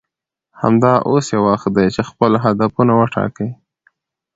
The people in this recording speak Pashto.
همدا اوس یې وخت دی چې خپل هدفونه وټاکئ